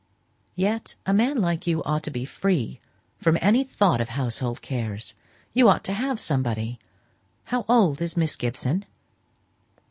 Yet a man like you ought to be free from any thought of household cares. You ought to have somebody. How old is Miss Gibson?"